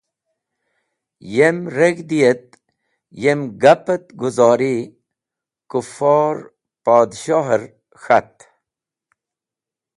Yem reg̃hdi et yem gap et guzori Kufor Podshoher k̃hat.